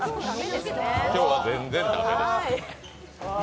今日は全然駄目です。